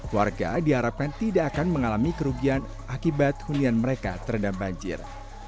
warga diharapkan tidak akan mengalami kerugian akibat hunian mereka terendam banjir